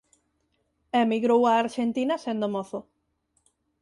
Emigrou a Arxentina sendo mozo.